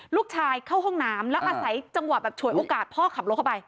เข้าห้องน้ำแล้วอาศัยจังหวะแบบฉวยโอกาสพ่อขับรถเข้าไป